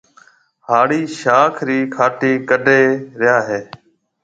هاڙِي شاخ رِي کاٽِي ڪَڍي ريا هيَ۔